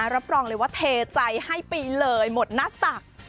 รับรองเลยว่าเทใจให้ไปเลยหมดหน้าตัก